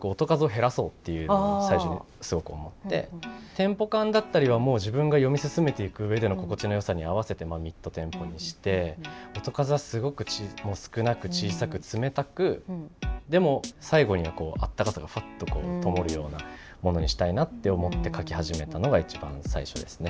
テンポ感だったりはもう自分が読み進めていくうえでの心地のよさに合わせてまあミッドテンポにして音数はすごくもう少なく小さく冷たくでも最後にはこう温かさがふわっとともるようなものにしたいなって思って書き始めたのが一番最初ですね。